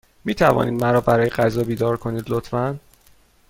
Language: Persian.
می توانید مرا برای غذا بیدار کنید، لطفا؟